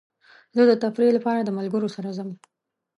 زه د تفریح لپاره د ملګرو سره ځم.